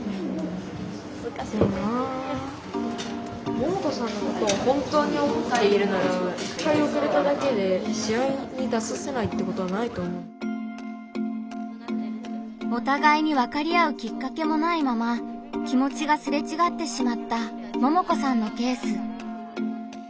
ももこさんのケースではお互いに分かり合うきっかけもないまま気持ちがすれちがってしまったももこさんのケース。